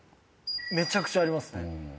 めちゃくちゃありますね。